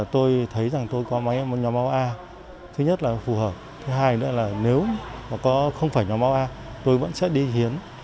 thứ hai nữa là nếu mà không phải nhà máu a tôi vẫn sẽ đi hiến